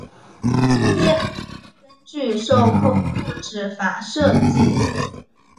列表根据受控物质法设计。